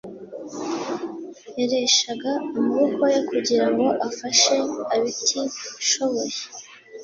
yareshaga amaboko ye kugira ngo afashe abtishoboye